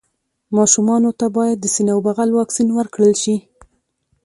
ماشومانو ته باید د سینه بغل واکسين ورکړل شي.